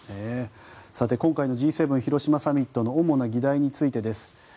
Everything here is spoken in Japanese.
今回のＧ７広島サミットの主な議題についてです。